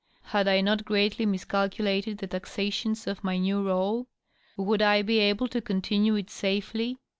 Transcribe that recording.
Had I not greatly miscalculated the taxations of my new rSfe t Would I be able to continue it safely